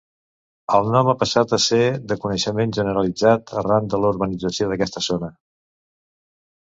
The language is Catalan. El nom ha passat a ser de coneixement generalitzat arran de la urbanització d'aquesta zona.